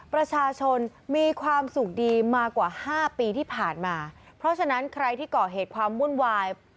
ประชาชนมีความสุขดีมากว่าห้าปีที่ผ่านมาเพราะฉะนั้นใครที่ก่อเหตุความวุ่นวาย